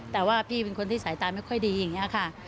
แต่ว่าพี่เป็นคนที่สายตาไม่ค่อยดีอย่างนี้ค่ะ